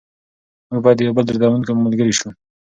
موږ باید د یو بل د دردونو ملګري شو.